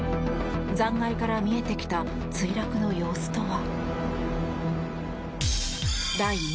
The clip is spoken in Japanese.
残骸から見えてきた墜落の様子とは。